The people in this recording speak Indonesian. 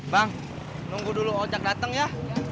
bang nunggu dulu ocak datang ya